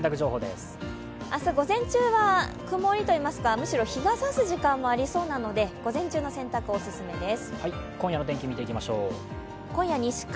明日、午前中は曇りといいますかむしろ日が差す時間もありそうなので午前中の洗濯がお勧めです。